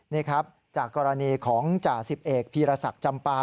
นี่ครับจากกรณีของจ่าสิบเอกพีรศักดิ์จำปา